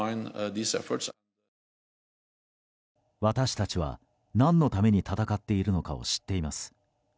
私たちは何のために戦っているのかを知っています。